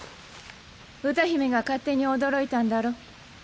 歌姫が勝手に驚いたんだろ。